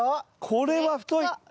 これは太い太い。